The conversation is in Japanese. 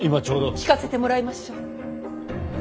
聞かせてもらいましょう。